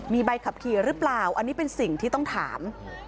มีใบขับขี่หรือเปล่าอันนี้เป็นสิ่งที่ต้องถาม